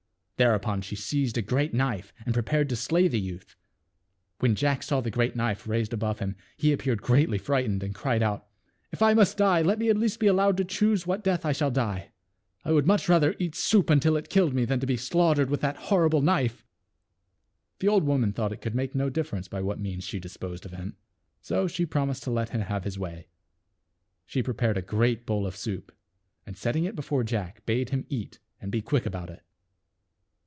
Thereupon she seized a great knife and prepared to slay the youth. THE WITCH'S TREASURES. 251 the GreaJt 'Bowl of When Jack saw the great knife raised above him he appeared greatly frightened and cried out " If I must die, let me at least be allowed to choose what death I shall die. I would much rather eat soup until it killed me than to be slaughtered with that horrible knife." The old woman thought it could make no difference by what means she disposed of him. So she prom ised to let him have his way. She prepared a great bowl of soup, and setting it before Jack bade him eat and be quick about it.